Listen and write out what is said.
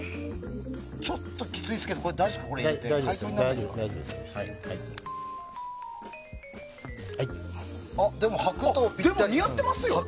ちょっときついですけど大丈夫ですかね。